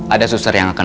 ada suster yang akan